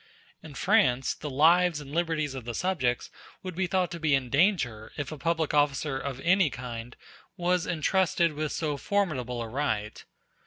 *b In France the lives and liberties of the subjects would be thought to be in danger if a public officer of any kind was entrusted with so formidable a right.